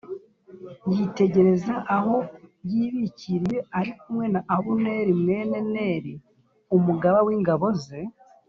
yitegereza aho yibīkiriye ari kumwe na Abuneri mwene Neri umugaba w’ingabo ze.